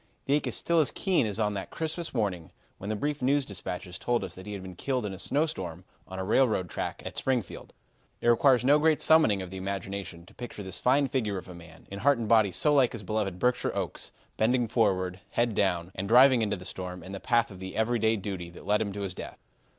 The ache is still as keen as on that Christmas morning when the brief news dispatches told us that he had been killed in a snowstorm on a railroad track at Springfield. It requires no great summoning of the imagination to picture this fine figure of a man, in heart and body so like his beloved Berkshire oaks, bending forward, head down, and driving into the storm in the path of the everyday duty that led to his death.